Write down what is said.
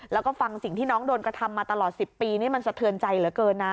แล้วก็ฟังสิ่งที่น้องโดนกระทำมาตลอด๑๐ปีนี่มันสะเทือนใจเหลือเกินนะ